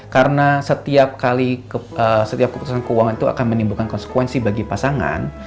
karena setiap kali setiap keputusan keuangan itu akan menimbulkan konsekuensi bagi pasangan